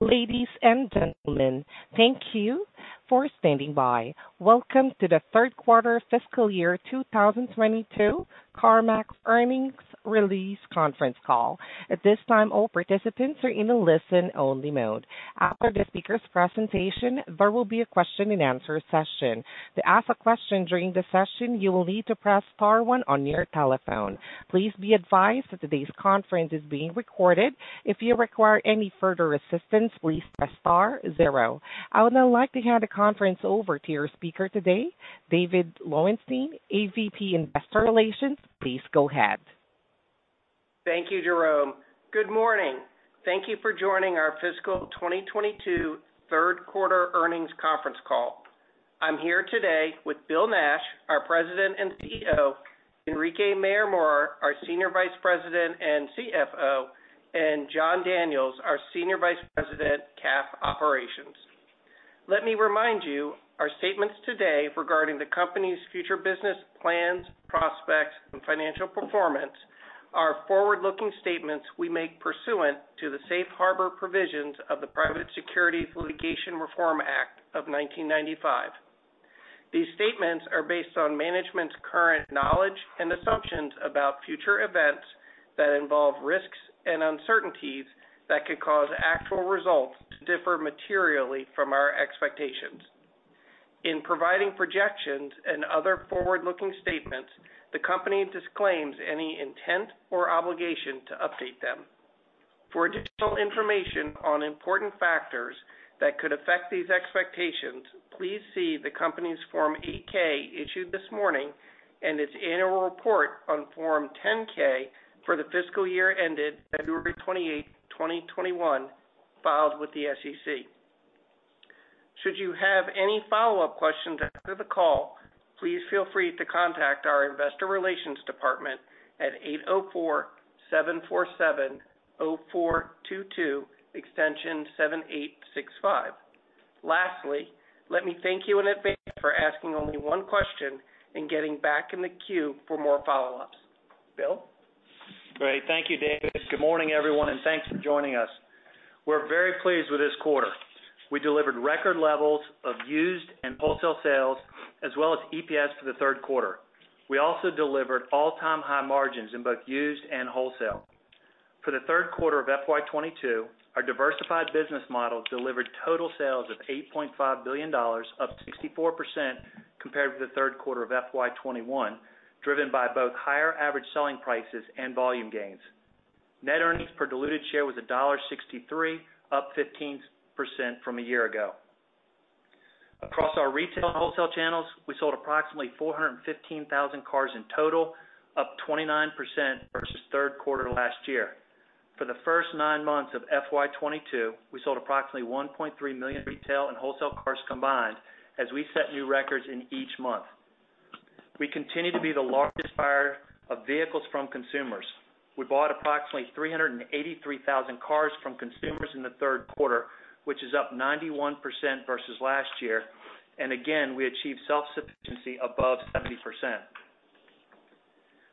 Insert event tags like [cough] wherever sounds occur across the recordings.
Ladies and gentlemen, thank you for standing by. Welcome to the third quarter fiscal year 2022 CarMax earnings release conference call. At this time, all participants are in a listen-only mode. After the speakers' presentation, there will be a question-and-answer session. To ask a question during the session, you will need to press star one on your telephone. Please be advised that today's conference is being recorded. If you require any further assistance, please press star zero. I would now like to hand the conference over to your speaker today, David Lowenstein, AVP, Investor Relations. Please go ahead. Thank you, Jerome. Good morning. Thank you for joining our fiscal 2022 third quarter earnings conference call. I'm here today with Bill Nash, our President and CEO, Enrique Mayor-Mora, our Senior Vice President and CFO, and Jon Daniels, our Senior Vice President, CAF Operations. Let me remind you, our statements today regarding the company's future business plans, prospects, and financial performance are forward-looking statements we make pursuant to the Safe Harbor provisions of the Private Securities Litigation Reform Act of 1995. These statements are based on management's current knowledge and assumptions about future events that involve risks and uncertainties that could cause actual results to differ materially from our expectations. In providing projections and other forward-looking statements, the company disclaims any intent or obligation to update them. For additional information on important factors that could affect these expectations, please see the company's Form 8-K issued this morning and its annual report on Form 10-K for the fiscal year ended February 28th, 2021, filed with the SEC. Should you have any follow-up questions after the call, please feel free to contact our investor relations department at 804-747-0422 extension 7865. Lastly, let me thank you in advance for asking only one question and getting back in the queue for more follow-ups. Bill? Great. Thank you, David. Good morning, everyone, and thanks for joining us. We're very pleased with this quarter. We delivered record levels of used and wholesale sales as well as EPS for the third quarter. We also delivered all-time high margins in both used and wholesale. For the third quarter of FY 2022, our diversified business model delivered total sales of $8.5 billion, up 64% compared to the third quarter of FY 2021, driven by both higher average selling prices and volume gains. Net earnings per diluted share was $1.63, up 15% from a year ago. Across our retail and wholesale channels, we sold approximately 415,000 cars in total, up 29% versus third quarter last year. For the first nine months of FY 2022, we sold approximately 1.3 million retail and wholesale cars combined as we set new records in each month. We continue to be the largest buyer of vehicles from consumers. We bought approximately 383,000 cars from consumers in the third quarter, which is up 91% versus last year. Again, we achieved self-sufficiency above 70%.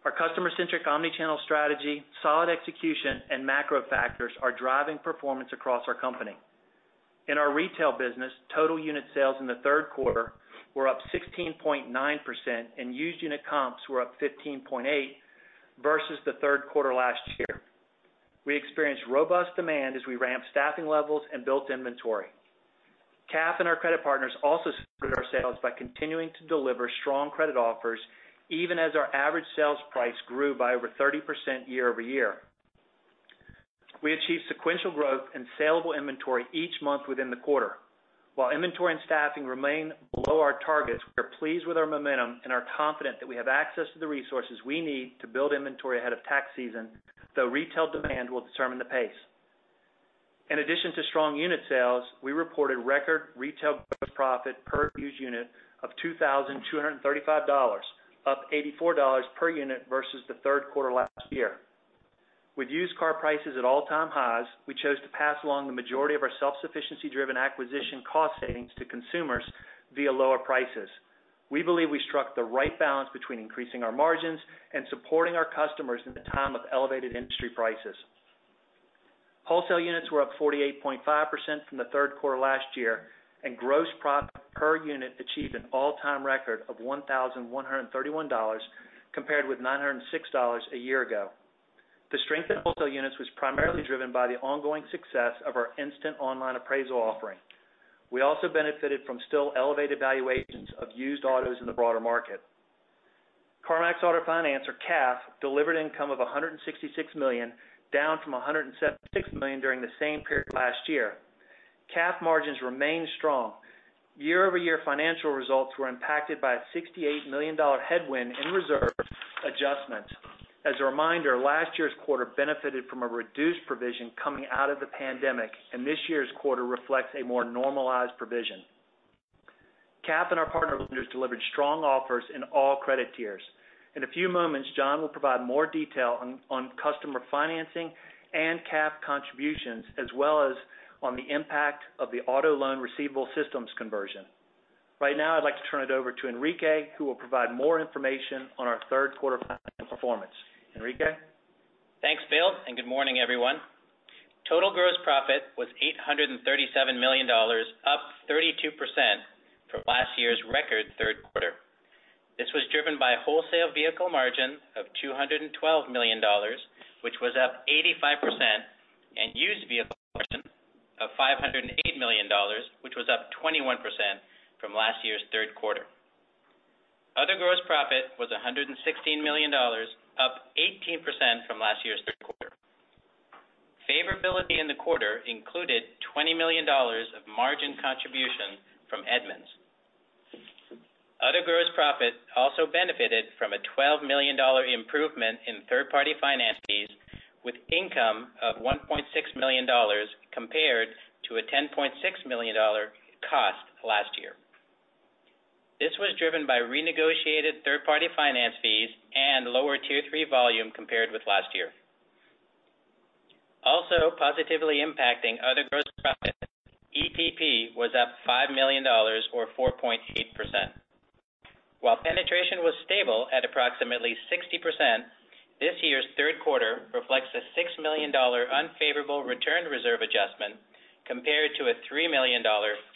Our customer-centric omni-channel strategy, solid execution, and macro factors are driving performance across our company. In our retail business, total unit sales in the third quarter were up 16.9%, and used unit comps were up 15.8% versus the third quarter last year. We experienced robust demand as we ramped staffing levels and built inventory. CAF and our credit partners also supported our sales by continuing to deliver strong credit offers even as our average sales price grew by over 30% year-over-year. We achieved sequential growth in saleable inventory each month within the quarter. While inventory and staffing remain below our targets, we are pleased with our momentum and are confident that we have access to the resources we need to build inventory ahead of tax season, though retail demand will determine the pace. In addition to strong unit sales, we reported record retail gross profit per used unit of $2,235, up $84 per unit versus the third quarter last year. With used car prices at all-time highs, we chose to pass along the majority of our self-sufficiency driven acquisition cost savings to consumers via lower prices. We believe we struck the right balance between increasing our margins and supporting our customers at the time of elevated industry prices. Wholesale units were up 48.5% from the third quarter last year, and gross profit per unit achieved an all-time record of $1,131 compared with $906 a year ago. The strength in wholesale units was primarily driven by the ongoing success of our instant online appraisal offering. We also benefited from still elevated valuations of used autos in the broader market. CarMax Auto Finance or CAF delivered income of $166 million, down from $176 million during the same period last year. CAF margins remained strong. Year-over-year financial results were impacted by a $68 million headwind in reserve adjustment. As a reminder, last year's quarter benefited from a reduced provision coming out of the pandemic, and this year's quarter reflects a more normalized provision. CAF and our partner lenders delivered strong offers in all credit tiers. In a few moments, Jon will provide more detail on customer financing and CAF contributions as well as on the impact of the auto loan receivable systems conversion. Right now, I'd like to turn it over to Enrique, who will provide more information on our third quarter financial performance. Enrique? Thanks, Bill, and good morning, everyone. Total gross profit was $837 million, up 32% from last year's record third quarter. This was driven by wholesale vehicle margin of $212 million, which was up 85%, and used vehicle margin of $508 million, which was up 21% from last year's third quarter. Other gross profit was $116 million, up 18% from last year's third quarter. Favorability in the quarter included $20 million of margin contribution from Edmunds. Other gross profit also benefited from a $12 million improvement in third-party finance fees, with income of $1.6 million, compared to a $10.6 million cost last year. This was driven by renegotiated third-party finance fees and lower tier three volume compared with last year. Also positively impacting other gross profit, EPP was up $5 million or 4.8%. While penetration was stable at approximately 60%, this year's third quarter reflects a $6 million unfavorable return reserve adjustment compared to a $3 million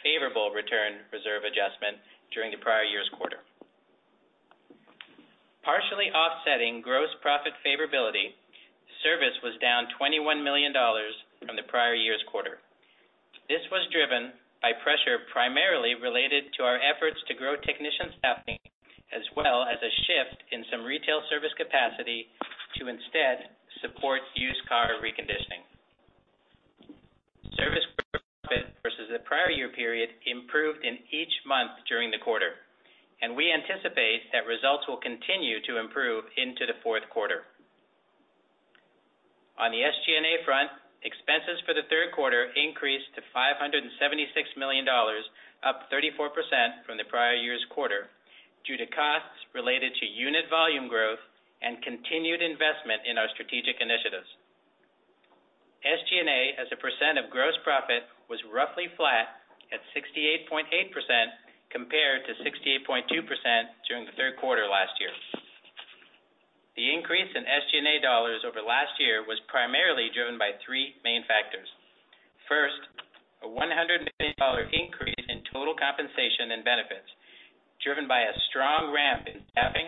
favorable return reserve adjustment during the prior year's quarter. Partially offsetting gross profit favorability, service was down $21 million from the prior year's quarter. This was driven by pressure primarily related to our efforts to grow technician staffing, as well as a shift in some retail service capacity to instead support used car reconditioning. Service gross profit versus the prior year period improved in each month during the quarter, and we anticipate that results will continue to improve into the fourth quarter. On the SG&A front, expenses for the third quarter increased to $576 million, up 34% from the prior year's quarter due to costs related to unit volume growth and continued investment in our strategic initiatives. SG&A as a percent of gross profit was roughly flat at 68.8% compared to 68.2% during the third quarter last year. The increase in SG&A dollars over last year was primarily driven by three main factors. First, a $100 million increase in total compensation and benefits driven by a strong ramp in staffing,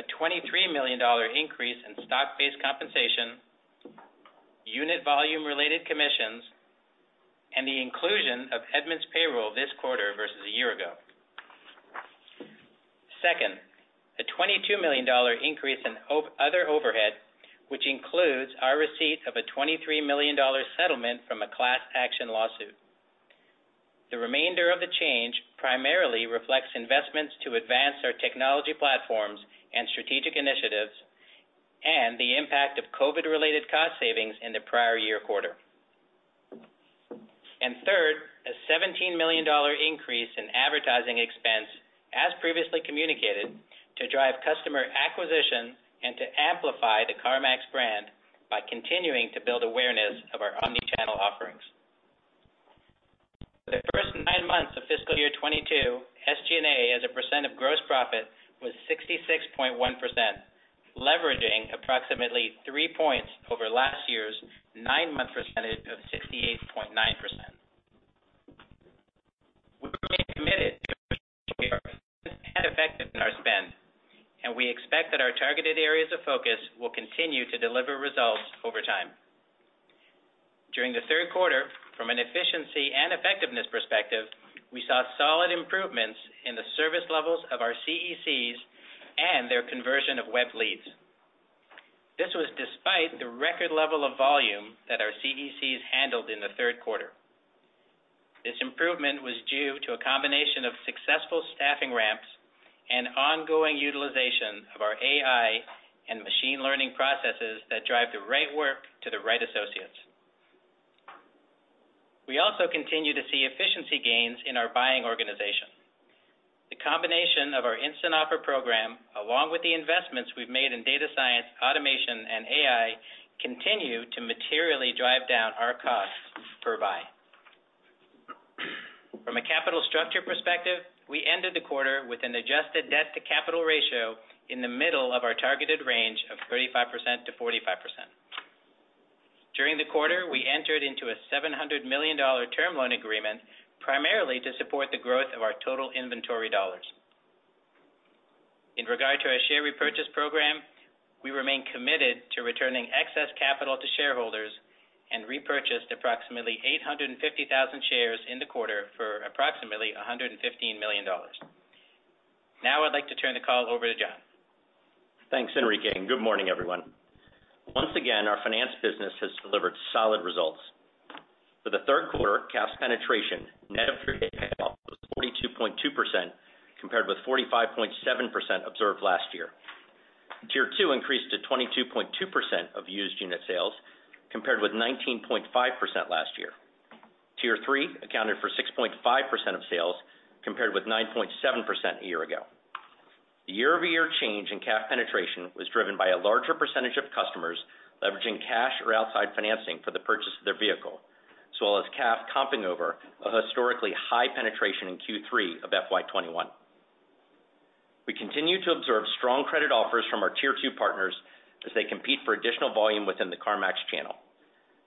a $23 million increase in stock-based compensation, unit volume-related commissions, and the inclusion of Edmunds payroll this quarter versus a year ago. Second, a $22 million increase in other overhead, which includes our receipt of a $23 million settlement from a class action lawsuit. The remainder of the change primarily reflects investments to advance our technology platforms and strategic initiatives and the impact of COVID-related cost savings in the prior year quarter. Third, a $17 million increase in advertising expense, as previously communicated, to drive customer acquisition and to amplify the CarMax brand by continuing to build awareness of our omni-channel offerings. For the first nine months of fiscal year 2022, SG&A as a percent of gross profit was 66.1%, leveraging approximately 3 pts over last year's nine-month percentage of 68.9%. We remain committed to ensuring that we are efficient and effective in our spend, and we expect that our targeted areas of focus will continue to deliver results over time. During the third quarter, from an efficiency and effectiveness perspective, we saw solid improvements in the service levels of our CECs and their conversion of web leads. This was despite the record level of volume that our CECs handled in the third quarter. This improvement was due to a combination of successful staffing ramps and ongoing utilization of our AI and machine learning processes that drive the right work to the right associates. We also continue to see efficiency gains in our buying organization. The combination of our instant offer program, along with the investments we've made in data science, automation, and AI, continue to materially drive down our costs per buy. From a capital structure perspective, we ended the quarter with an adjusted debt-to-capital ratio in the middle of our targeted range of 35%-45%. During the quarter, we entered into a $700 million term loan agreement primarily to support the growth of our total inventory dollars. In regard to our share repurchase program, we remain committed to returning excess capital to shareholders and repurchased approximately 850,000 shares in the quarter for approximately $115 million. Now I'd like to turn the call over to Jon. Thanks, Enrique, and good morning, everyone. Once again, our finance business has delivered solid results. For the third quarter, CAF penetration net of was 42.2%, compared with 45.7% observed last year. Tier Two increased to 22.2% of used unit sales, compared with 19.5% last year. Tier Three accounted for 6.5% of sales, compared with 9.7% a year ago. The year-over-year change in CAF penetration was driven by a larger percentage of customers leveraging cash or outside financing for the purchase of their vehicle, as well as CAF comping over a historically high penetration in Q3 of FY 2021. We continue to observe strong credit offers from our tier two partners as they compete for additional volume within the CarMax channel.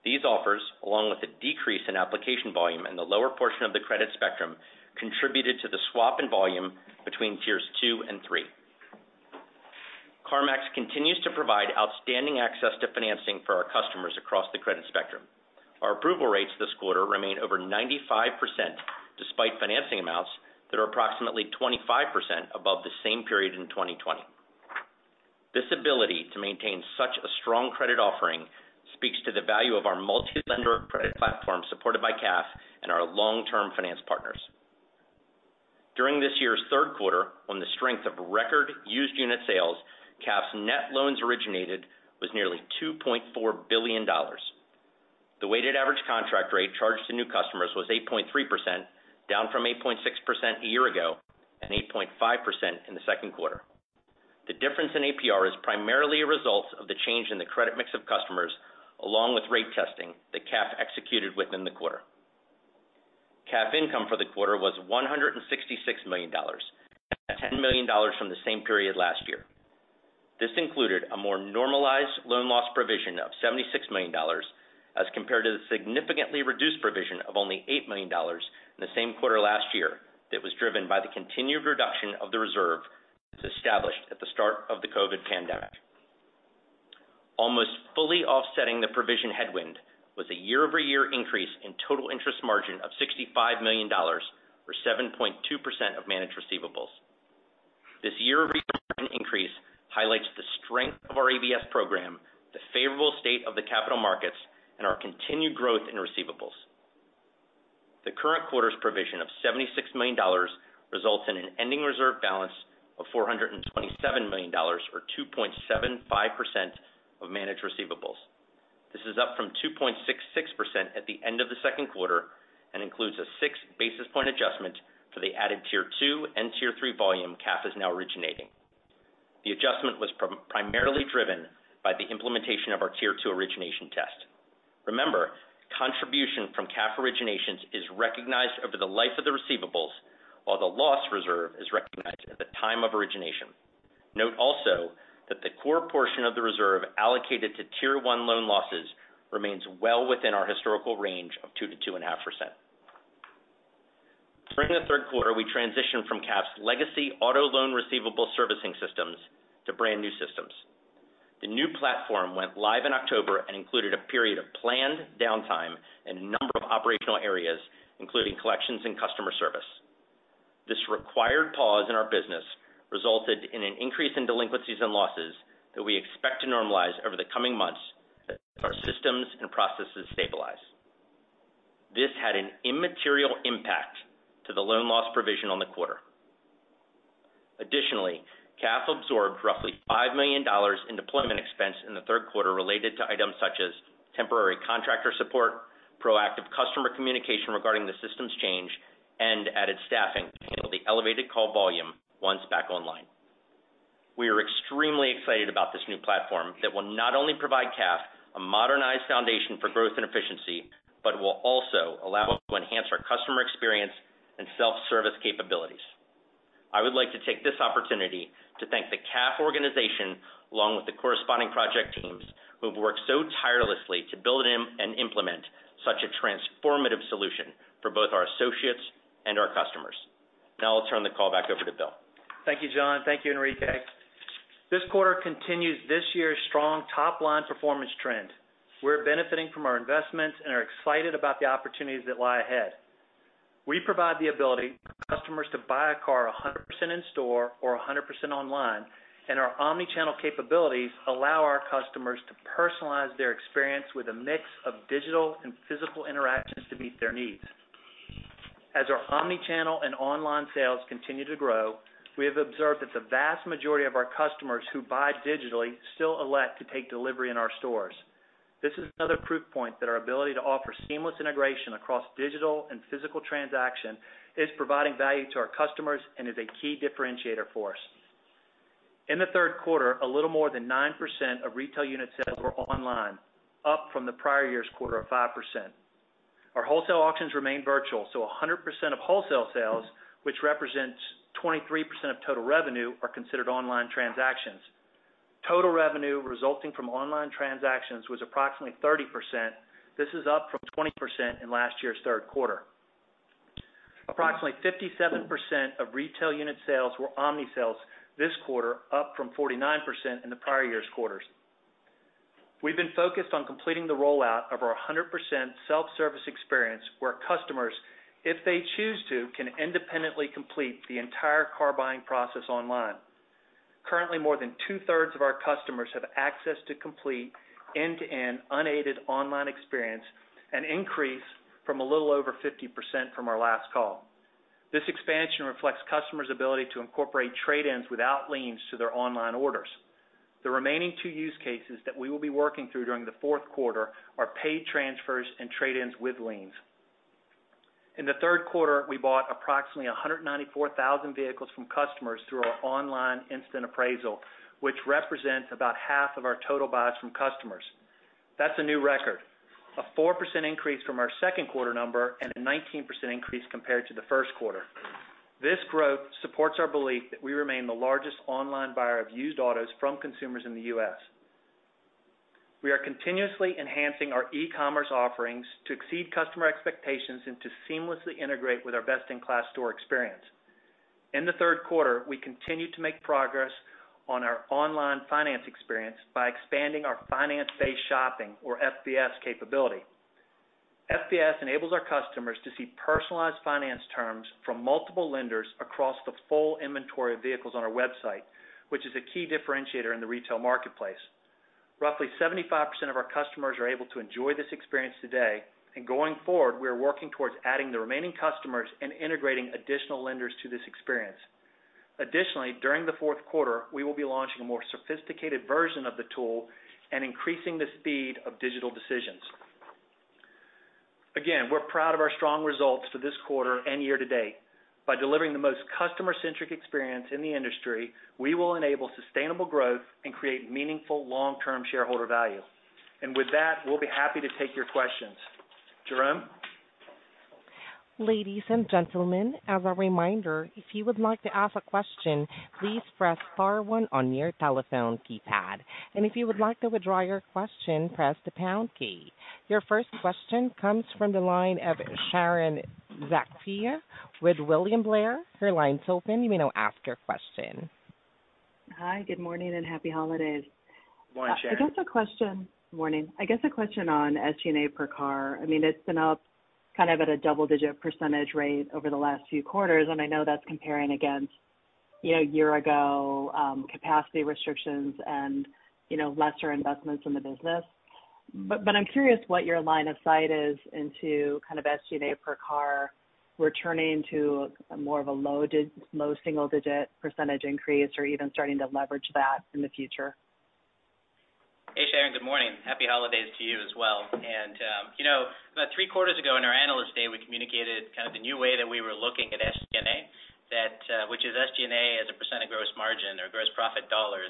These offers, along with a decrease in application volume in the lower portion of the credit spectrum, contributed to the swap in volume between tiers two and three. CarMax continues to provide outstanding access to financing for our customers across the credit spectrum. Our approval rates this quarter remain over 95% despite financing amounts that are approximately 25% above the same period in 2020. This ability to maintain such a strong credit offering speaks to the value of our multi-lender credit platform supported by CAF and our long-term finance partners. During this year's third quarter, on the strength of record used unit sales, CAF's net loans originated was nearly $2.4 billion. The weighted average contract rate charged to new customers was 8.3%, down from 8.6% a year ago and 8.5% in the second quarter. The difference in APR is primarily a result of the change in the credit mix of customers along with rate testing that CAF executed within the quarter. CAF income for the quarter was $166 million, up $10 million from the same period last year. This included a more normalized loan loss provision of $76 million as compared to the significantly reduced provision of only $8 million in the same quarter last year that was driven by the continued reduction of the reserve that was established at the start of the COVID pandemic. Almost fully offsetting the provision headwind was a year-over-year increase in total interest margin of $65 million or 7.2% of managed receivables. This year-over-year margin increase highlights the strength of our ABS program, the favorable state of the capital markets, and our continued growth in receivables. The current quarter's provision of $76 million results in an ending reserve balance of $427 million or 2.75% of managed receivables. This is up from 2.66% at the end of the second quarter and includes a six basis points adjustment for the added tier two and tier three volume CAF is now originating. The adjustment was primarily driven by the implementation of our tier two origination test. Remember, contribution from CAF originations is recognized over the life of the receivables while the loss reserve is recognized at the time of origination. Note also that the core portion of the reserve allocated to tier one loan losses remains well within our historical range of 2%-2.5%. During the third quarter, we transitioned from CAF's legacy auto loan receivable servicing systems to brand-new systems. The new platform went live in October and included a period of planned downtime in a number of operational areas, including collections and customer service. This required pause in our business resulted in an increase in delinquencies and losses that we expect to normalize over the coming months as our systems and processes stabilize. This had an immaterial impact to the loan loss provision on the quarter. Additionally, CAF absorbed roughly $5 million in deployment expense in the third quarter related to items such as temporary contractor support, proactive customer communication regarding the systems change, and added staffing to handle the elevated call volume once back online. We are extremely excited about this new platform that will not only provide CAF a modernized foundation for growth and efficiency, but will also allow us to enhance our customer experience and self-service capabilities. I would like to take this opportunity to thank the CAF organization along with the corresponding project teams who have worked so tirelessly to build and implement such a transformative solution for both our associates and our customers. Now I'll turn the call back over to Bill. Thank you, John. Thank you, Enrique. This quarter continues this year's strong top-line performance trend. We're benefiting from our investments and are excited about the opportunities that lie ahead. We provide the ability for customers to buy a car 100% in store or 100% online, and our omni-channel capabilities allow our customers to personalize their experience with a mix of digital and physical interactions to meet their needs. As our omni-channel and online sales continue to grow, we have observed that the vast majority of our customers who buy digitally still elect to take delivery in our stores. This is another proof point that our ability to offer seamless integration across digital and physical transaction is providing value to our customers and is a key differentiator for us. In the third quarter, a little more than 9% of retail unit sales were online, up from the prior year's quarter of 5%. Our wholesale auctions remain virtual, so 100% of wholesale sales, which represents 23% of total revenue, are considered online transactions. Total revenue resulting from online transactions was approximately 30%. This is up from 20% in last year's third quarter. Approximately 57% of retail unit sales were omni sales this quarter, up from 49% in the prior year's quarters. We've been focused on completing the rollout of our 100% self-service experience where customers, if they choose to, can independently complete the entire car buying process online. Currently, more than two-thirds of our customers have access to complete end-to-end unaided online experience, an increase from a little over 50% from our last call. This expansion reflects customers' ability to incorporate trade-ins without liens to their online orders. The remaining two use cases that we will be working through during the fourth quarter are paid transfers and trade-ins with liens. In the third quarter, we bought approximately 194,000 vehicles from customers through our online instant appraisal, which represents about half of our total buys from customers. That's a new record, a 4% increase from our second quarter number and a 19% increase compared to the first quarter. This growth supports our belief that we remain the largest online buyer of used autos from consumers in the U.S. We are continuously enhancing our e-commerce offerings to exceed customer expectations and to seamlessly integrate with our best-in-class store experience. In the third quarter, we continued to make progress on our online finance experience by expanding our finance-based shopping or FBS capability. FBS enables our customers to see personalized finance terms from multiple lenders across the full inventory of vehicles on our website, which is a key differentiator in the retail marketplace. Roughly 75% of our customers are able to enjoy this experience today, and going forward, we are working towards adding the remaining customers and integrating additional lenders to this experience. Additionally, during the fourth quarter, we will be launching a more sophisticated version of the tool and increasing the speed of digital decisions. Again, we're proud of our strong results for this quarter and year to date. By delivering the most customer-centric experience in the industry, we will enable sustainable growth and create meaningful long-term shareholder value. With that, we'll be happy to take your questions. Jerome? Ladies and gentlemen, as a reminder, if you would like to ask a question, please press star one on your telephone keypad. If you would like to withdraw your question, press the pound key. Your first question comes from the line of Sharon Zackfia with William Blair. Her line is open. You may now ask your question. Hi, good morning and happy holidays. Morning, Sharon. Morning. I guess a question on SG&A per car. I mean, it's been up kind of at a double-digit percentage rate over the last few quarters, and I know that's comparing against, you know, a year ago, capacity restrictions and, you know, lesser investments in the business. But I'm curious what your line of sight is into kind of SG&A per car returning to more of a low single-digit percentage increase or even starting to leverage that in the future. Hey, Sharon. Good morning. Happy holidays to you as well. You know, about three quarters ago in our Analyst Day, we communicated kind of the new way that we were looking at SG&A, that which is SG&A as a percentage of gross margin or gross profit dollars,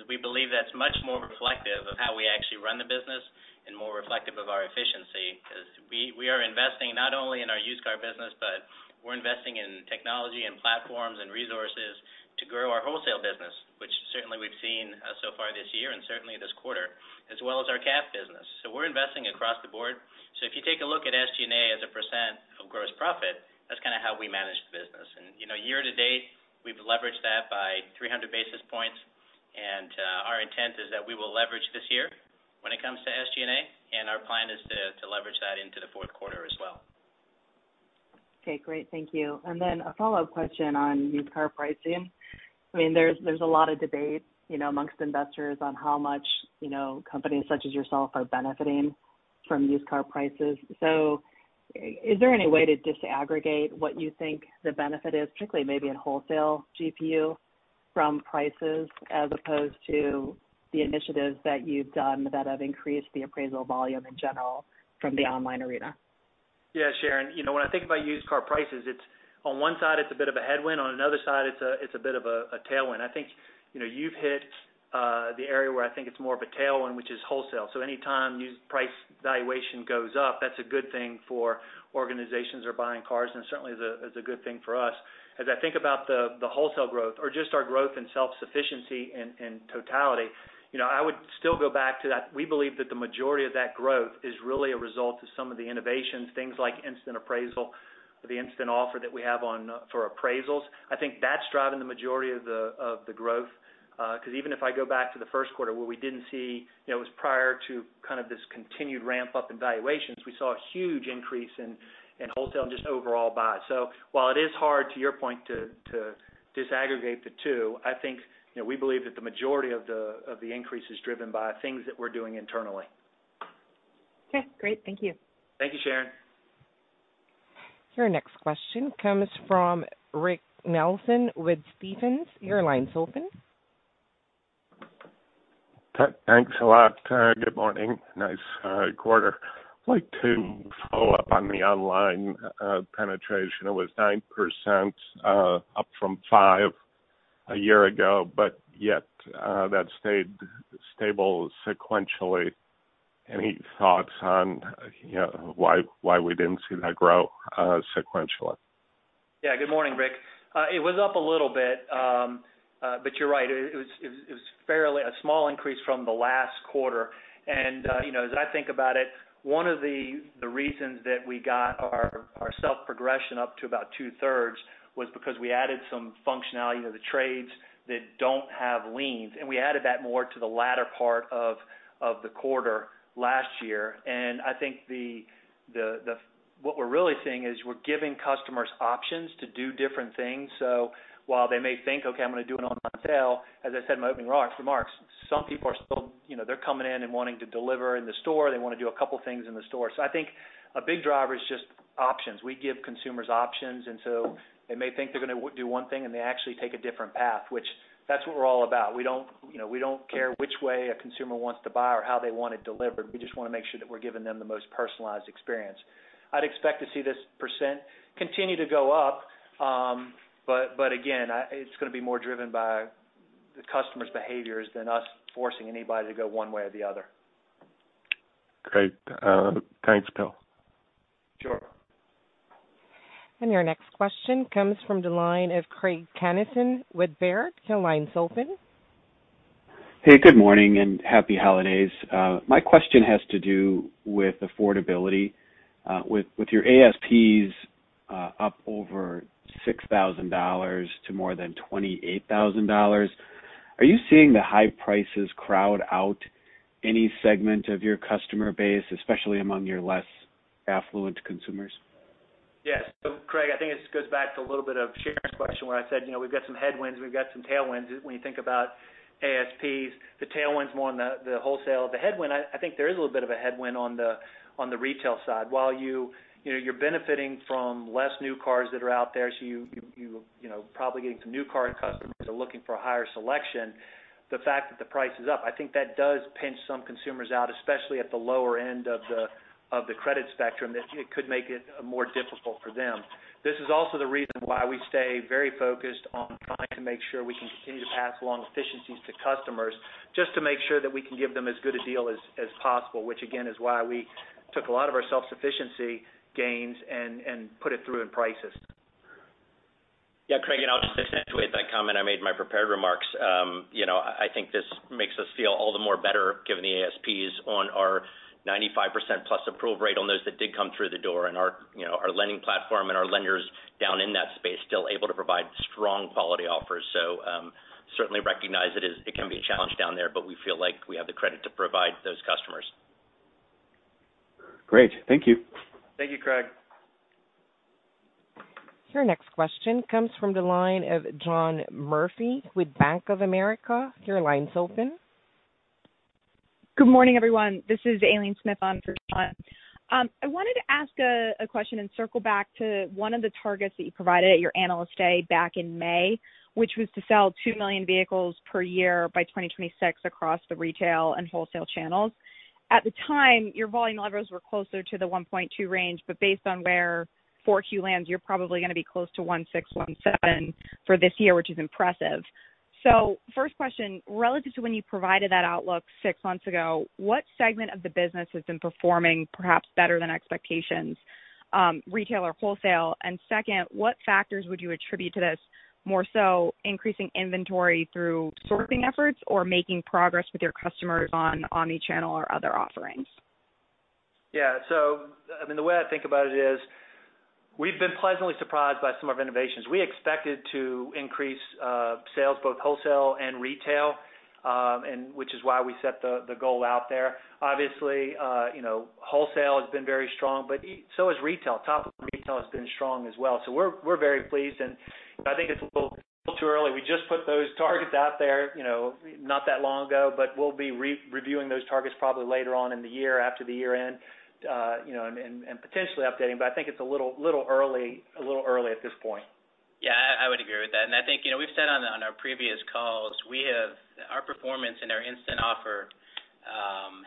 as we believe that's much more reflective of how we actually run the business and more reflective of our efficiency. As we are investing not only in our used car business, but we're investing in technology and platforms and resources to grow our wholesale business, which certainly we've seen so far this year and certainly this quarter, as well as our CAF business. We're investing across the board. If you take a look at SG&A as a percentage of gross profit, that's kinda how we manage the business. You know, year to date, we've leveraged that by 300 basis points. Our intent is that we will leverage this year when it comes to SG&A, and our plan is to leverage that into the fourth quarter as well. Okay, great. Thank you. Then a follow-up question on used car pricing. I mean, there's a lot of debate, you know, among investors on how much, you know, companies such as yourself are benefiting from used car prices. Is there any way to disaggregate what you think the benefit is, particularly maybe in wholesale GPU from prices as opposed to the initiatives that you've done that have increased the appraisal volume in general from the online arena? Yeah, Sharon. You know, when I think about used car prices, it's on one side a bit of a headwind, on another side it's a bit of a tailwind. I think, you know, you've hit the area where I think it's more of a tailwind, which is wholesale. So anytime used price valuation goes up, that's a good thing for organizations that are buying cars, and certainly is a good thing for us. As I think about the wholesale growth or just our growth in self-sufficiency in totality, you know, I would still go back to that we believe that the majority of that growth is really a result of some of the innovations, things like instant appraisal or the instant offer that we have on for appraisals. I think that's driving the majority of the growth. 'Cause even if I go back to the first quarter where we didn't see, you know, it was prior to kind of this continued ramp-up in valuations, we saw a huge increase in wholesale and just overall buys. While it is hard, to your point, to disaggregate the two, I think, you know, we believe that the majority of the increase is driven by things that we're doing internally. Okay, great. Thank you. Thank you, Sharon. Your next question comes from Rick Nelson with Stephens. Your line's open. Thanks a lot. Good morning. Nice quarter. I'd like to follow up on the online penetration. It was 9%, up from 5% a year ago, but yet that stayed stable sequentially. Any thoughts on, you know, why we didn't see that grow sequentially? Yeah. Good morning, Rick. It was up a little bit. You're right. It was fairly a small increase from the last quarter. You know, as I think about it, one of the reasons that we got our self-progression up to about two-thirds was because we added some functionality to the trades that don't have liens, and we added that more to the latter part of the quarter last year. I think what we're really seeing is we're giving customers options to do different things. While they may think, okay, I'm gonna do it online, as I said in my opening remarks, some people are still, you know, they're coming in and wanting to deliver in the store. They wanna do a couple things in the store. I think a big driver is just options. We give consumers options, and so they may think they're gonna do one thing, and they actually take a different path, which, that's what we're all about. We don't, you know, we don't care which way a consumer wants to buy or how they want it delivered. We just wanna make sure that we're giving them the most personalized experience. I'd expect to see this percent continue to go up. Again, it's gonna be more driven by the customer's behaviors than us forcing anybody to go one way or the other. Great. Thanks, Bill. Sure. Your next question comes from the line of Craig Kennison with Baird. Your line is open. Hey, good morning and happy holidays. My question has to do with affordability. With your ASPs up over $6,000 to more than $28,000, are you seeing the high prices crowd out any segment of your customer base, especially among your less affluent consumers? Yes. Craig, I think it just goes back to a little bit of Sharon's question where I said, you know, we've got some headwinds, we've got some tailwinds. When you think about ASPs, the tailwind is more on the wholesale. The headwind, I think there is a little bit of a headwind on the retail side. While you know, you're benefiting from less new cars that are out there, so you know, probably getting some new car customers are looking for a higher selection. The fact that the price is up, I think that does pinch some consumers out, especially at the lower end of the credit spectrum. It could make it more difficult for them. This is also the reason why we stay very focused on trying to make sure we can continue to pass along efficiencies to customers, just to make sure that we can give them as good a deal as possible. Which again, is why we took a lot of our self-sufficiency gains and put it through in prices. Yeah, Craig, I'll just accentuate that comment I made in my prepared remarks. You know, I think this makes us feel all the more better given the ASPs on our 95% plus approval rate on those that did come through the door and our, you know, our lending platform and our lenders down in that space still able to provide strong quality offers. Certainly recognize it can be a challenge down there, but we feel like we have the credit to provide those customers. Great. Thank you. Thank you, Craig. Your next question comes from the line of John Murphy with Bank of America. Your line is open. Good morning, everyone. This is Aileen Smith on for John. I wanted to ask a question and circle back to one of the targets that you provided at your Analyst Day back in May, which was to sell two million vehicles per year by 2026 across the retail and wholesale channels. At the time, your volume levels were closer to the 1.2% range, but based on where Q4 lands, you're probably gonna be close to 1.6%, 1.7% for this year, which is impressive. First question, relative to when you provided that outlook six months ago, what segment of the business has been performing perhaps better than expectations, retail or wholesale? Second, what factors would you attribute to this? More so increasing inventory through sourcing efforts or making progress with your customers on omni-channel or other offerings? Yeah. I mean, the way I think about it is we've been pleasantly surprised by some of our innovations. We expected to increase sales, both wholesale and retail, and which is why we set the goal out there. Obviously, you know, wholesale has been very strong, but so has retail. Top of retail has been strong as well. We're very pleased, and I think it's a little too early. We just put those targets out there, you know, not that long ago, but we'll be re-reviewing those targets probably later on in the year after the year-end, you know, and potentially updating. I think it's a little early at this point. Yeah. I would agree with that. I think, you know, we've said on our previous calls, we have our performance and our instant offer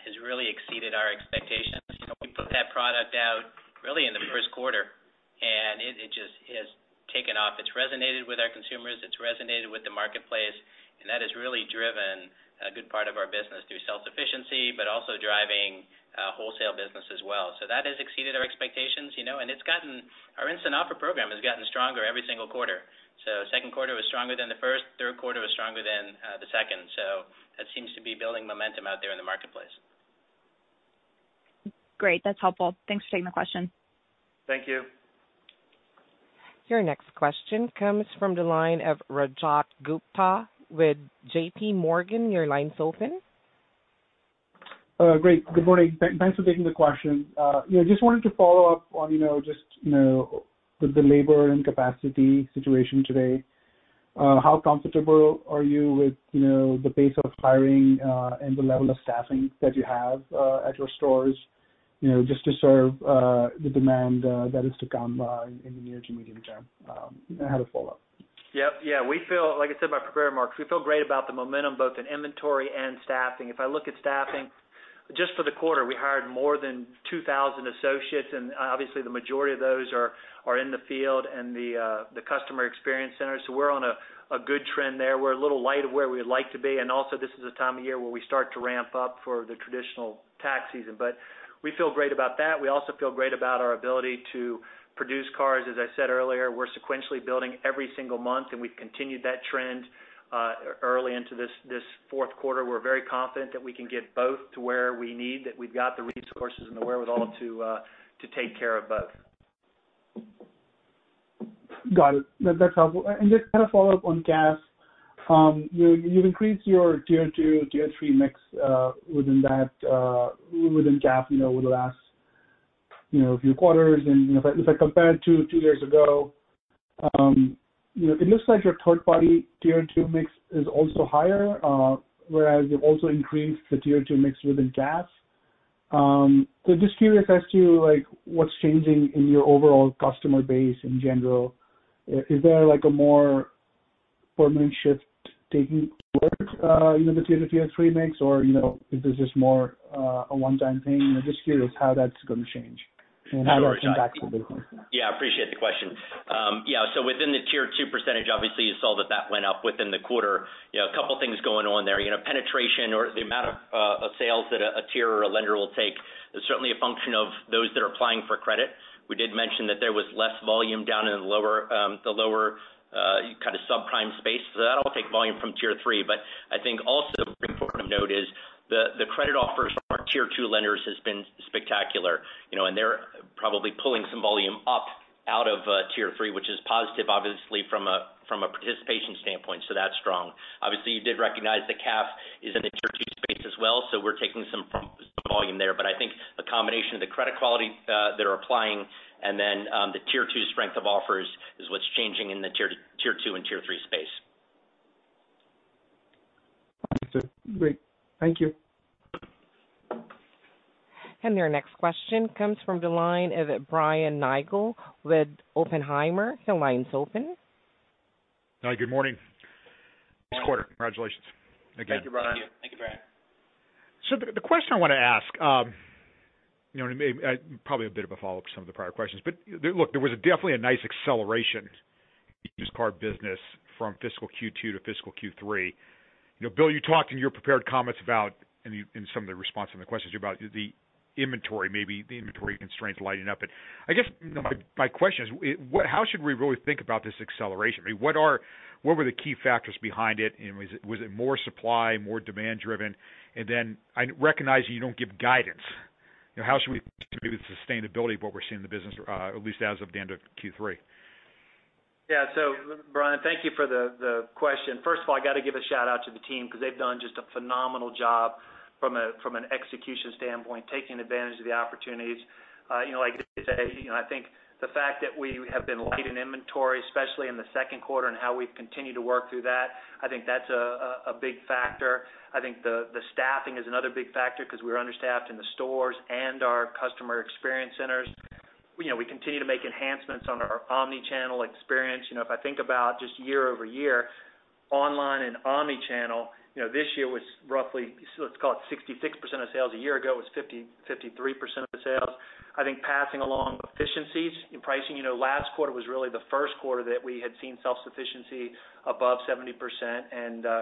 has really exceeded our expectations. You know, we put that product out really in the first quarter, and it just has taken off. It's resonated with our consumers, it's resonated with the marketplace, and that has really driven a good part of our business through self-sufficiency, but also driving wholesale business as well. That has exceeded our expectations, you know, and it's gotten our instant offer program has gotten stronger every single quarter. Second quarter was stronger than the first, third quarter was stronger than the second. That seems to be building momentum out there in the marketplace. Great. That's helpful. Thanks for taking the question. Thank you. Your next question comes from the line of Rajat Gupta with JPMorgan. Your line's open. Great. Good morning. Thanks for taking the question. Yeah, just wanted to follow up on, you know, just, you know, with the labor and capacity situation today, how comfortable are you with, you know, the pace of hiring, and the level of staffing that you have, at your stores, you know, just to serve, the demand, that is to come, in the near to medium term? I had a follow-up. Yeah. We feel like I said in my prepared remarks, we feel great about the momentum, both in inventory and staffing. If I look at staffing just for the quarter, we hired more than 2,000 associates, and obviously the majority of those are in the field and the customer experience centers. So we're on a good trend there. We're a little light of where we would like to be, and also this is a time of year where we start to ramp up for the traditional tax season. We feel great about that. We also feel great about our ability to produce cars. As I said earlier, we're sequentially building every single month, and we've continued that trend early into this fourth quarter. We're very confident that we can get both to where we need, that we've got the resources and the wherewithal to take care of both. Got it. That's helpful. Just kind of follow up on gas. You've increased your tier two, tier three mix within that within gas, you know, over the last, you know, few quarters. You know, if I compare it to two years ago, you know, it looks like your third-party tier two mix is also higher, whereas you've also increased the tier two mix within gas. Just curious as to, like, what's changing in your overall customer base in general. Is there like a more permanent shift taking place in the tier two, tier three mix or, you know, is this just more a one-time thing? I'm just curious how that's gonna change. Yeah, I appreciate the question. Yeah, so within the tier two percentage, obviously, you saw that went up within the quarter. You know, a couple things going on there. You know, penetration or the amount of sales that a tier or a lender will take is certainly a function of those that are applying for credit. We did mention that there was less volume down in the lower kinda subprime space. So that'll take volume from tier three. But I think also an important note is the credit offers from our tier two lenders has been spectacular, you know, and they're probably pulling some volume up out of tier three, which is positive, obviously from a participation standpoint. So that's strong. Obviously, you did recognize that CAF is in the tier two space as well, so we're taking some from some volume there. I think the combination of the credit quality that are applying and then the tier two strength of offers is what's changing in the tier two and tier three space. Understood. Great. Thank you. Your next question comes from the line of Brian Nagel with Oppenheimer. Your line's open. Hi, good morning. Nice quarter. Congratulations again. Thank you, Brian. Thank you, Brian. The question I wanna ask, you know, and maybe probably a bit of a follow-up to some of the prior questions. Look, there was definitely a nice acceleration in used car business from fiscal Q2 to fiscal Q3. You know, Bill, you talked in your prepared comments about, in some of the response to some of the questions about the inventory, maybe the inventory constraints lighting up. I guess my question is what? How should we really think about this acceleration? I mean, what were the key factors behind it? And was it more supply, more demand driven? And then I recognize that you don't give guidance. You know, how should we think about the sustainability of what we're seeing in the business, at least as of the end of Q3? Yeah. Brian, thank you for the question. First of all, I gotta give a shout-out to the team 'cause they've done just a phenomenal job from an execution standpoint, taking advantage of the opportunities. You know, like I say, you know, I think the fact that we have been light in inventory, especially in the second quarter, and how we've continued to work through that, I think that's a big factor. I think the staffing is another big factor 'cause we're understaffed in the stores and our customer experience centers. You know, we continue to make enhancements on our omni-channel experience. You know, if I think about just year-over-year, online and omni-channel, you know, this year was roughly, let's call it 66% of sales. A year ago, it was 53% of the sales. I think passing along efficiencies in pricing. You know, last quarter was really the first quarter that we had seen self-sufficiency above 70%.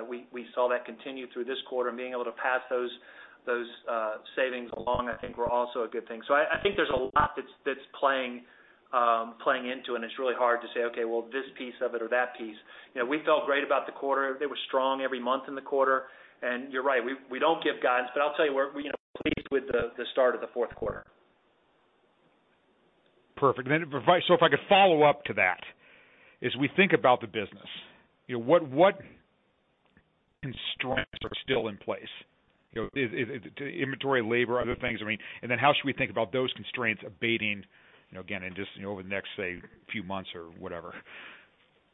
We saw that continue through this quarter. Being able to pass those savings along I think were also a good thing. I think there's a lot that's playing into, and it's really hard to say, "Okay, well, this piece of it or that piece." You know, we felt great about the quarter. It was strong every month in the quarter. You're right, we don't give guidance, but I'll tell you we're you know pleased with the start of the fourth quarter. Perfect. If I could follow up to that. As we think about the business, you know, what constraints are still in place? You know, is it inventory, labor, other things? I mean, and then how should we think about those constraints abating, you know, again, in just, you know, over the next, say, few months or whatever?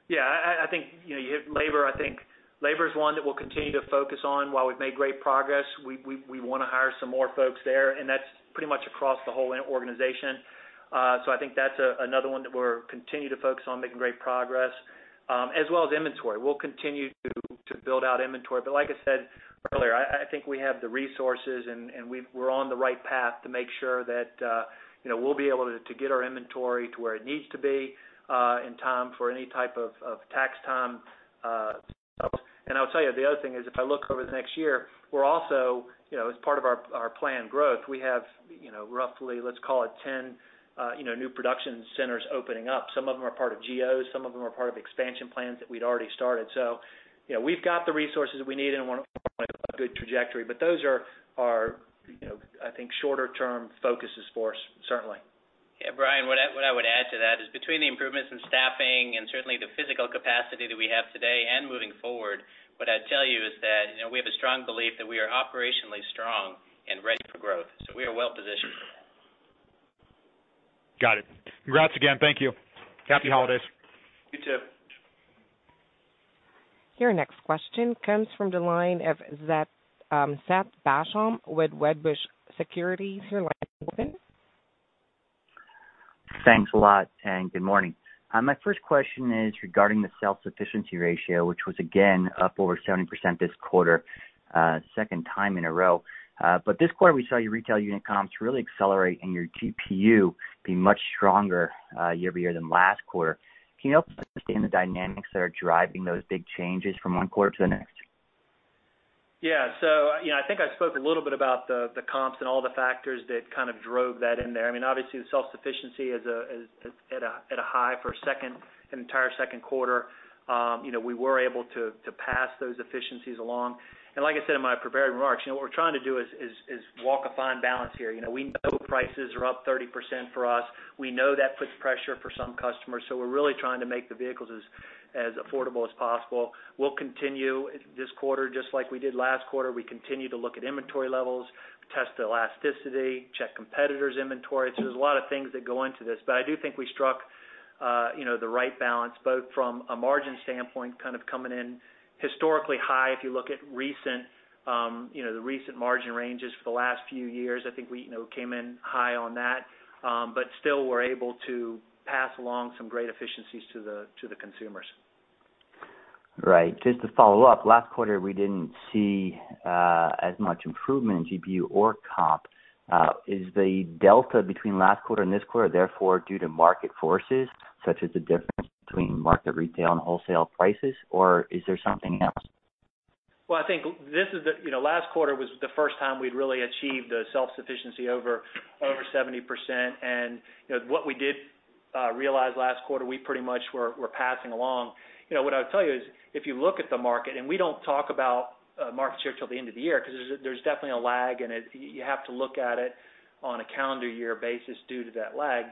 Yeah, I think, you know, you hit labor. I think labor is one that we'll continue to focus on. While we've made great progress, we wanna hire some more folks there, and that's pretty much across the whole organization. I think that's another one that we'll continue to focus on making great progress, as well as inventory. We'll continue to build out inventory. Like I said earlier, I think we have the resources and we're on the right path to make sure that, you know, we'll be able to get our inventory to where it needs to be in time for any type of tax time. I'll tell you the other thing is, if I look over the next year, we're also, you know, as part of our planned growth, we have, you know, roughly, let's call it 10 new production centers opening up. Some of them are part of geos, some of them are part of expansion plans that we'd already started. You know, we've got the resources we need and we're on a good trajectory. Those are our, you know, I think, shorter term focuses for us certainly. Yeah. Brian, what I would add to that is between the improvements in staffing and certainly the physical capacity that we have today and moving forward, what I'd tell you is that, you know, we have a strong belief that we are operationally strong and ready for growth. We are well positioned for that. Got it. Congrats again. Thank you. Happy holidays. You too. Your next question comes from the line of Seth Basham with Wedbush Securities. Your line is open. Thanks a lot, and good morning. My first question is regarding the self-sufficiency ratio, which was again up over 70% this quarter, second time in a row. This quarter, we saw your retail unit comps really accelerate and your GPU be much stronger, year-over-year than last quarter. Can you help understand the dynamics that are driving those big changes from one quarter to the next? Yeah. You know, I think I spoke a little bit about the comps and all the factors that kind of drove that in there. I mean, obviously, the self-sufficiency is at a high for a second, an entire second quarter. You know, we were able to pass those efficiencies along. Like I said in my prepared remarks, you know, what we're trying to do is walk a fine balance here. You know, we know prices are up 30% for us. We know that puts pressure for some customers, so we're really trying to make the vehicles as affordable as possible. We'll continue this quarter just like we did last quarter. We continue to look at inventory levels, test elasticity, check competitors' inventory. There's a lot of things that go into this. I do think we struck, you know, the right balance, both from a margin standpoint, kind of coming in historically high. If you look at the recent margin ranges for the last few years, I think we, you know, came in high on that. Still we're able to pass along some great efficiencies to the consumers. Right. Just to follow up, last quarter, we didn't see as much improvement in GPU or comp. Is the delta between last quarter and this quarter therefore due to market forces, such as the difference between market retail and wholesale prices, or is there something else? Well, I think this is. You know, last quarter was the first time we'd really achieved a self-sufficiency over 70%. You know, what we did realize last quarter, we pretty much were passing along. You know, what I would tell you is if you look at the market and we don't talk about market share till the end of the year because there's definitely a lag and it you have to look at it on a calendar year basis due to that lag.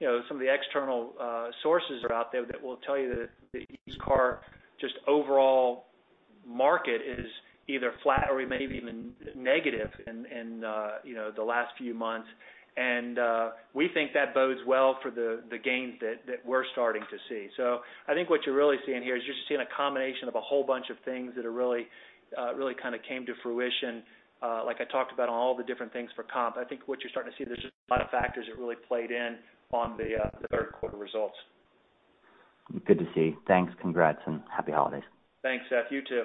You know, some of the external sources are out there that will tell you that the used car just overall market is either flat or maybe even negative in you know, the last few months. We think that bodes well for the gains that we're starting to see. I think what you're really seeing here is you're just seeing a combination of a whole bunch of things that are really kind of came to fruition, like I talked about on all the different things for comp. I think what you're starting to see, there's just a lot of factors that really played in on the third quarter results. Good to see. Thanks. Congrats and happy holidays. Thanks, Seth. You too.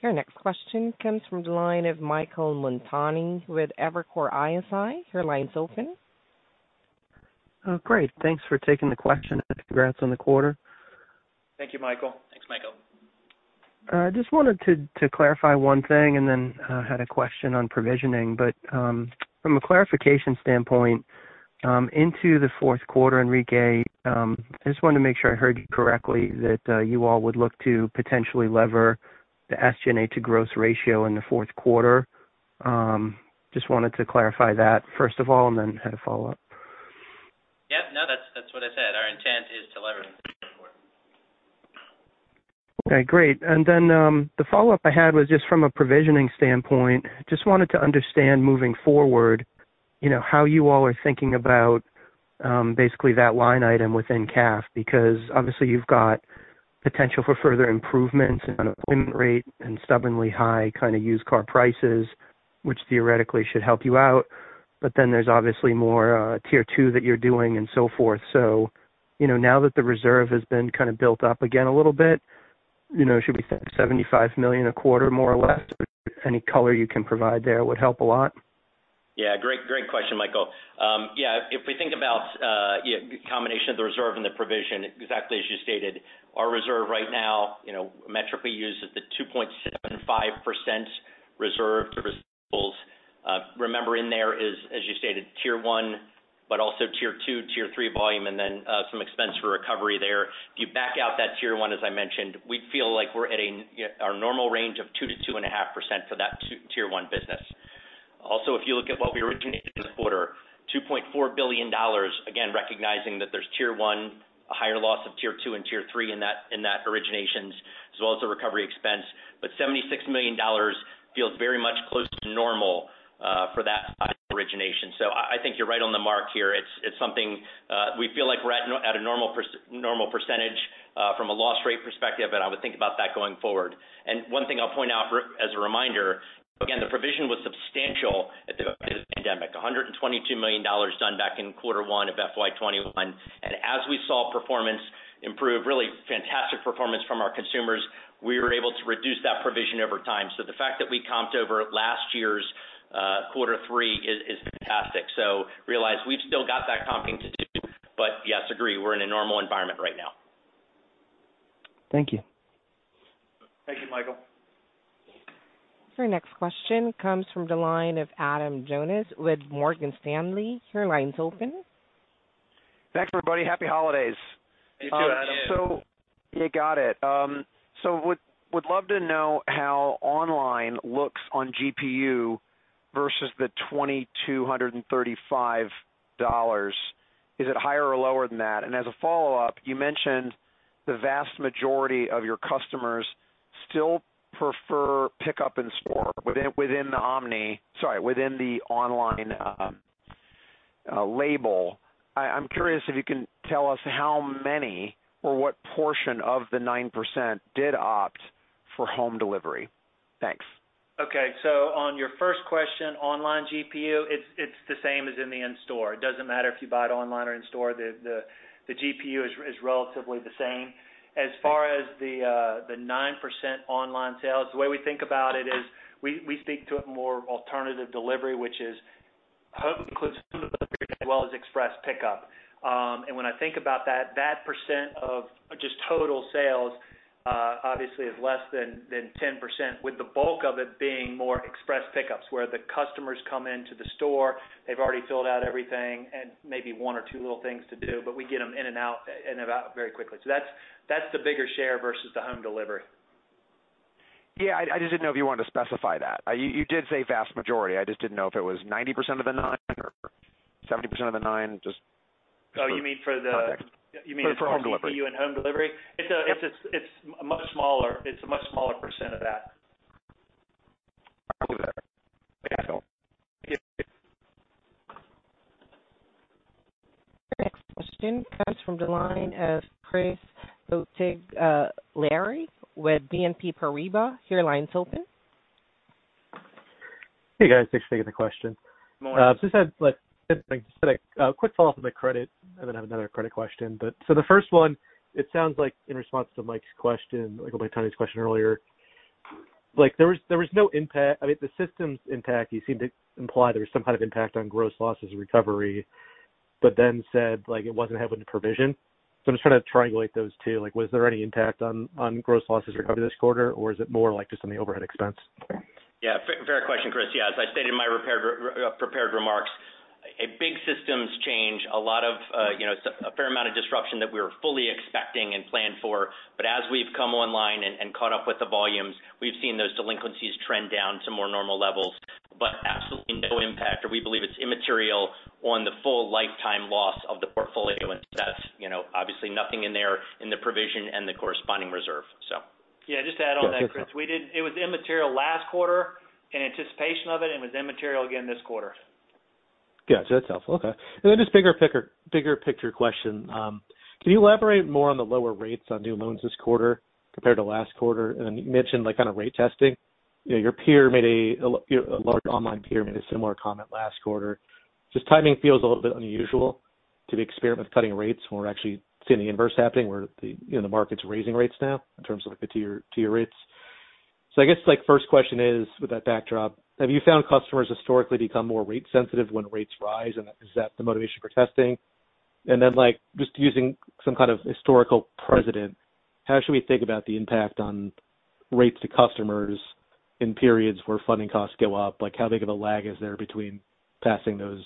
Your next question comes from the line of Michael Montani with Evercore ISI. Your line's open. Oh, great. Thanks for taking the question and congrats on the quarter. Thank you, Michael. Thanks, Michael. I just wanted to clarify one thing and then had a question on provisioning. From a clarification standpoint, into the fourth quarter, Enrique, I just wanted to make sure I heard you correctly that you all would look to potentially lever the SG&A to gross ratio in the fourth quarter. Just wanted to clarify that, first of all, and then had a follow-up. Yeah. No, that's what I said. Our intent is to lever in the fourth quarter. Okay, great. The follow-up I had was just from a provisioning standpoint. Just wanted to understand moving forward, you know, how you all are thinking about basically that line item within CAF, because obviously you've got potential for further improvements in unemployment rate and stubbornly high kind of used car prices, which theoretically should help you out. There's obviously more tier two that you're doing and so forth. You know, now that the reserve has been kind of built up again a little bit, you know, should we say $75 million a quarter more or less? Any color you can provide there would help a lot. Yeah, great question, Michael. Yeah, if we think about the combination of the reserve and the provision, exactly as you stated, our reserve right now, you know, the metric we use is the 2.75% reserve versus. Remember, there's, as you stated, tier one, but also tier two, tier three volume, and then some expense for recovery there. If you back out that tier one, as I mentioned, we feel like we're at our normal range of 2%-2.5% for that tier one business. Also, if you look at what we originated this quarter, $2.4 billion, again, recognizing that there's tier one, a higher loss of tier two and tier three in that originations, as well as the recovery expense. $76 million feels very much close to normal for that origination. I think you're right on the mark here. It's something we feel like we're at a normal percentage from a loss rate perspective, and I would think about that going forward. One thing I'll point out as a reminder, again, the provision was substantial at the beginning of the pandemic. $122 million done back in quarter one of FY 2021. As we saw performance improve, really fantastic performance from our consumers, we were able to reduce that provision over time. The fact that we comped over last year's quarter three is fantastic. Realize we've still got that comping to do. Yes, agree, we're in a normal environment right now. Thank you. Thank you, Michael. Your next question comes from the line of Adam Jonas with Morgan Stanley. Your line's open. Thanks, everybody. Happy holidays. You too, Adam. Yeah, got it. Would love to know how online looks on GPU versus the $2,235. Is it higher or lower than that? As a follow-up, you mentioned the vast majority of your customers still prefer pickup in store within the online label. I'm curious if you can tell us how many or what portion of the 9% did opt for home delivery. Thanks. Okay. On your first question, online GPU, it's the same as in the in-store. It doesn't matter if you buy it online or in store, the GPU is relatively the same. As far as the 9% online sales, the way we think about it is we speak to it more alternative delivery, which is home as well as express pickup. When I think about that percent of just total sales obviously is less than 10%, with the bulk of it being more express pickups, where the customers come into the store, they've already filled out everything and maybe one or two little things to do, but we get them in and out very quickly. That's the bigger share versus the home delivery. Yeah, I just didn't know if you wanted to specify that. You did say vast majority. I just didn't know if it was 90% of the nine or 70% of the nine. Oh, you mean for the. For home delivery. You mean for GPU and home delivery? It's much smaller. It's a much smaller percent of that. [audio distortion] Your next question comes from the line of Chris Bottiglieri with BNP Paribas. Your line's open. Hey guys, thanks for taking the question. Morning. I said like a quick follow-up on the credit and then I have another credit question. The first one, it sounds like in response to Mike's question, like [Montani's] question earlier, like there was no impact. I mean the systems impact, you seem to imply there was some kind of impact on gross losses recovery, but then said like it wasn't having a provision. I'm just trying to triangulate those two. Like was there any impact on gross losses recovery this quarter, or is it more like just on the overhead expense? Yeah, fair question, Chris. Yeah, as I stated in my prepared remarks, a big systems change a lot of, you know, a fair amount of disruption that we were fully expecting and planned for. As we've come online and caught up with the volumes, we've seen those delinquencies trend down to more normal levels. Absolutely no impact or we believe it's immaterial on the full lifetime loss of the portfolio. That's, you know, obviously nothing in there in the provision and the corresponding reserve, so. Yeah, just to add on that, Chris, it was immaterial last quarter in anticipation of it, and was immaterial again this quarter. Gotcha. That's helpful. Okay. Just bigger picture question. Can you elaborate more on the lower rates on new loans this quarter compared to last quarter? You mentioned like kind of rate testing. You know, your peer, a large online peer, made a similar comment last quarter. Just timing feels a little bit unusual to be experimenting cutting rates when we're actually seeing the inverse happening where you know, the market's raising rates now in terms of like the tier rates. I guess like first question is with that backdrop, have you found customers historically become more rate sensitive when rates rise and is that the motivation for testing? Just using some kind of historical precedent, how should we think about the impact on rates to customers in periods where funding costs go up? Like how big of a lag is there between passing those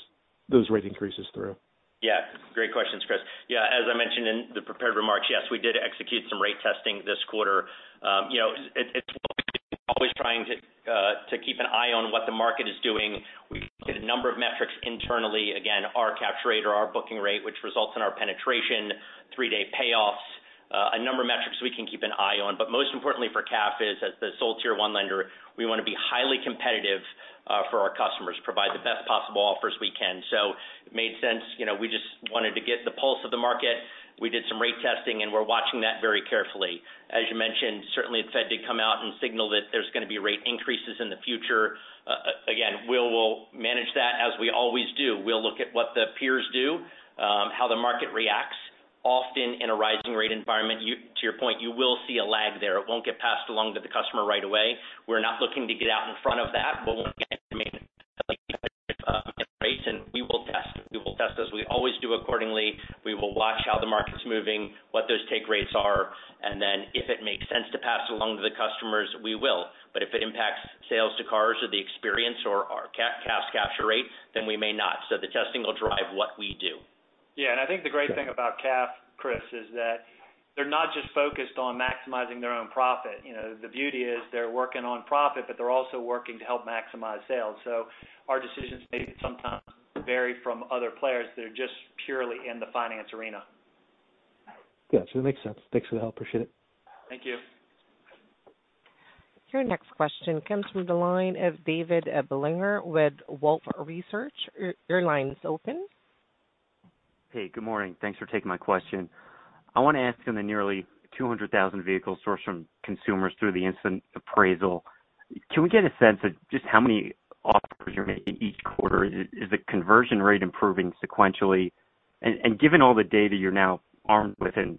rate increases through? Yeah, great questions, Chris. Yeah, as I mentioned in the prepared remarks, yes, we did execute some rate testing this quarter. You know, it's always trying to keep an eye on what the market is doing. We look at a number of metrics internally. Again, our capture rate or our booking rate, which results in our penetration, three-day payoffs, a number of metrics we can keep an eye on. But most importantly for CAF is as the sole tier one lender, we want to be highly competitive for our customers, provide the best possible offers we can. So it made sense. You know, we just wanted to get the pulse of the market. We did some rate testing, and we're watching that very carefully. As you mentioned, certainly the Fed did come out and signal that there's going to be rate increases in the future. Again, we will manage that as we always do. We'll look at what the peers do, how the market reacts. Often in a rising rate environment, to your point, you will see a lag there. It won't get passed along to the customer right away. We're not looking to get out in front of that, but we'll get rates and we will test. We will test as we always do accordingly. We will watch how the market's moving, what those take rates are, and then if it makes sense to pass along to the customers, we will. But if it impacts sales to cars or the experience or our CAF capture rates, then we may not. The testing will drive what we do. Yeah. I think the great thing about CAF, Chris, is that they're not just focused on maximizing their own profit. You know, the beauty is they're working on profit, but they're also working to help maximize sales. Our decisions may sometimes vary from other players that are just purely in the finance arena. Gotcha. That makes sense. Thanks for the help. Appreciate it. Thank you. Your next question comes from the line of David Bellinger with Wolfe Research. Your line is open. Hey, good morning. Thanks for taking my question. I want to ask on the nearly 200,000 vehicles sourced from consumers through the instant appraisal, can we get a sense of just how many offers you're making each quarter? Is the conversion rate improving sequentially? And given all the data you're now armed with and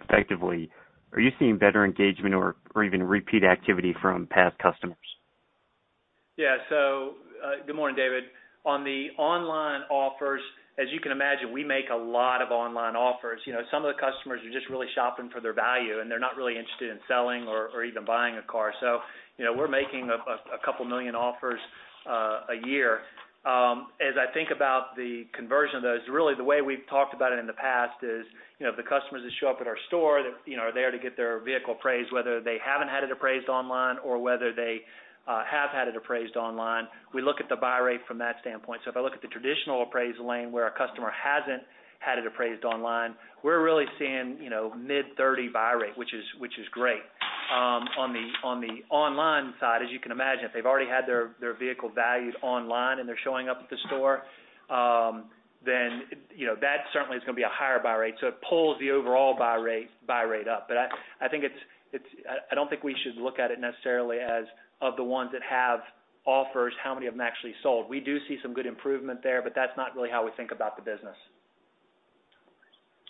effectively, are you seeing better engagement or even repeat activity from past customers? Yeah. Good morning, David. On the online offers, as you can imagine, we make a lot of online offers. You know, some of the customers are just really shopping for their value, and they're not really interested in selling or even buying a car. You know, we're making a couple million offers a year. As I think about the conversion of those, really the way we've talked about it in the past is, you know, if the customers that show up at our store, they're, you know, are there to get their vehicle appraised, whether they haven't had it appraised online or whether they have had it appraised online, we look at the buy rate from that standpoint. If I look at the traditional appraisal lane where our customer hasn't had it appraised online, we're really seeing, you know, mid-30 buy rate, which is great. On the online side, as you can imagine, if they've already had their vehicle valued online and they're showing up at the store, then, you know, that certainly is gonna be a higher buy rate. It pulls the overall buy rate up. I don't think we should look at it necessarily as of the ones that have offers, how many of them actually sold. We do see some good improvement there, but that's not really how we think about the business.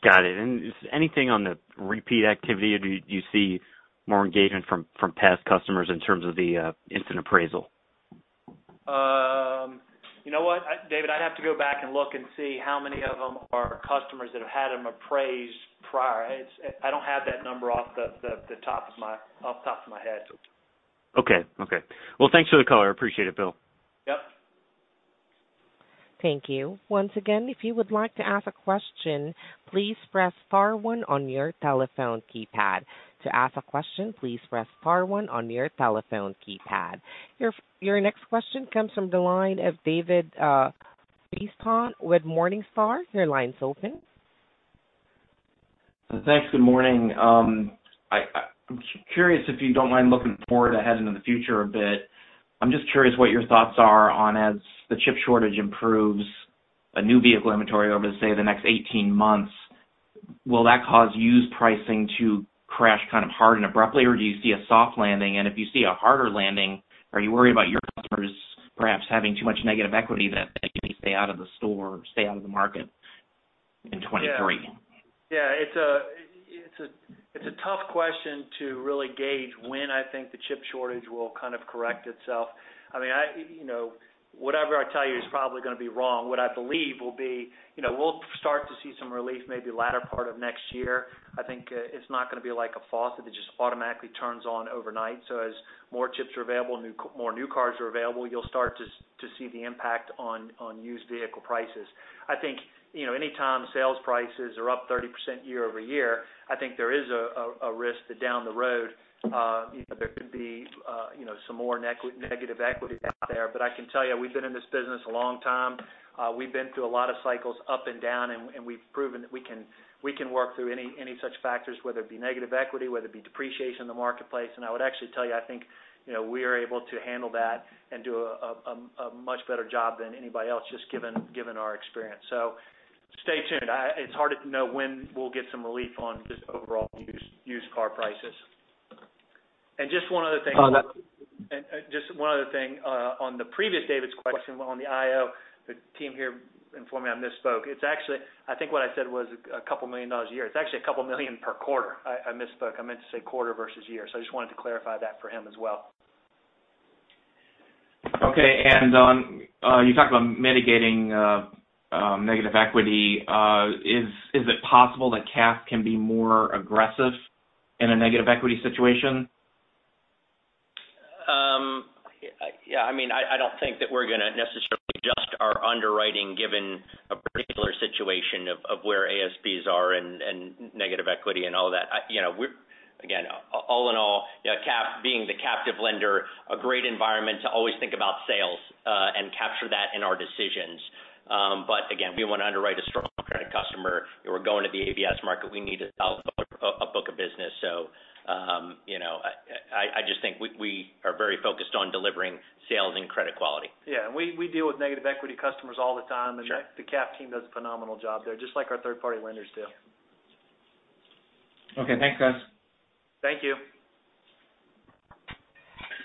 Got it. Is anything on the repeat activity? Do you see more engagement from past customers in terms of the instant appraisal? You know what? David, I'd have to go back and look and see how many of them are customers that have had them appraised prior. I don't have that number off the top of my head. Okay. Well, thanks for the color. I appreciate it, Bill. Yep. Your next question comes from the line of David Whiston with Morningstar. Your line's open. Thanks. Good morning. I'm curious if you don't mind looking forward ahead into the future a bit. I'm just curious what your thoughts are on as the chip shortage improves a new vehicle inventory over say the next 18 months. Will that cause used pricing to crash kind of hard and abruptly? Or do you see a soft landing? If you see a harder landing, are you worried about your customers perhaps having too much negative equity that they can stay out of the store or stay out of the market in 2023? Yeah. It's a tough question to really gauge when I think the chip shortage will kind of correct itself. I mean, you know, whatever I tell you is probably gonna be wrong. What I believe will be, you know, we'll start to see some relief maybe latter part of next year. I think it's not gonna be like a faucet that just automatically turns on overnight. As more chips are available, more new cars are available, you'll start to see the impact on used vehicle prices. I think, you know, anytime sales prices are up 30% year-over-year, I think there is a risk that down the road, you know, there could be some more negative equity out there. But I can tell you, we've been in this business a long time. We've been through a lot of cycles up and down, and we've proven that we can work through any such factors, whether it be negative equity, whether it be depreciation in the marketplace. I would actually tell you, I think, you know, we are able to handle that and do a much better job than anybody else, just given our experience. So stay tuned. It's hard to know when we'll get some relief on just overall used car prices. Just one other thing. Oh, that- Just one other thing, on the previous David's question on the IO, the team here informed me I misspoke. It's actually. I think what I said was $2 million a year. It's actually $2 million per quarter. I misspoke. I meant to say quarter versus year. I just wanted to clarify that for him as well. You talked about mitigating negative equity. Is it possible that CAF can be more aggressive in a negative equity situation? Yeah, I mean, I don't think that we're gonna necessarily adjust our underwriting given a particular situation of where ASPs are and negative equity and all that. I you know we again all in all you know CAF being the captive lender a great environment to always think about sales and capture that in our decisions. But again, we want to underwrite a strong credit customer, or we're going to the ABS market. We need to sell a book of business. You know, I just think we are very focused on delivering sales and credit quality. Yeah. We deal with negative equity customers all the time. Sure. The CAF team does a phenomenal job there, just like our third-party lenders do. Okay. Thanks, guys. Thank you.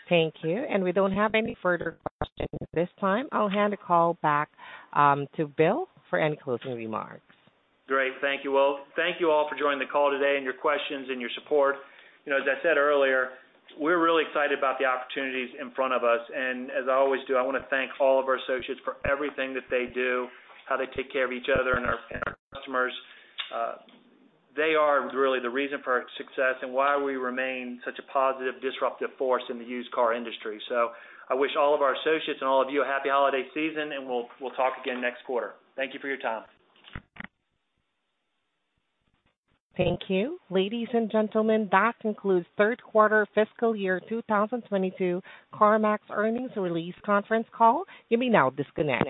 Thank you. We don't have any further questions at this time. I'll hand the call back to Bill for any closing remarks. Great. Thank you. Well. Thank you all for joining the call today and your questions and your support. You know, as I said earlier, we're really excited about the opportunities in front of us. As I always do, I wanna thank all of our associates for everything that they do, how they take care of each other and our customers. They are really the reason for our success and why we remain such a positive disruptive force in the used car industry. I wish all of our associates and all of you a happy holiday season, and we'll talk again next quarter. Thank you for your time. Thank you. Ladies and gentlemen, that concludes third quarter fiscal year 2022 CarMax Earnings Release Conference Call. You may now disconnect.